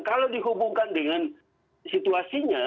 kalau dihubungkan dengan situasinya